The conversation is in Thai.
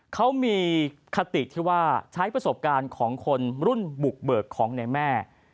เขามีคติที่ว่าใช้ประสบการณ์ของคนรุ่นบุกเบิกของในแม่